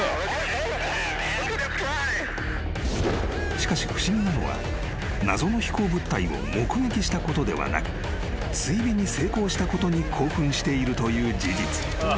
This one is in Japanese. ［しかし不思議なのは謎の飛行物体を目撃したことではなく追尾に成功したことに興奮しているという事実］